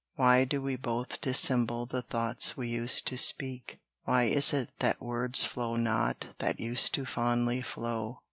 Why do we both dissemble The thoughts we used to speak? Why is it that words flow not That used to fondly flow?